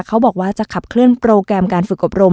เขาบอกว่าจะขับเคลื่อนโปรแกรมการฝึกอบรม